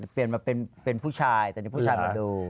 เปลี่ยนมาเป็นผู้ชายแต่นี่ผู้ชายมาดู